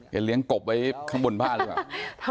เลี้ยงกบไว้ข้างบนบ้านหรือเปล่า